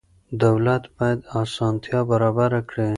دولت باید اسانتیا برابره کړي.